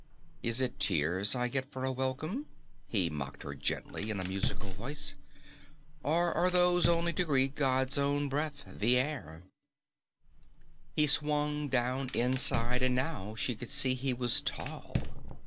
"Is it tears I get for a welcome?" he mocked her gently in a musical voice. "Or are those only to greet God's own breath, the air?" He swung down inside and now she could see he was tall.